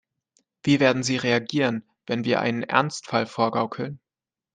Wie werden sie reagieren, wenn wir ihnen einen Ernstfall vorgaukeln?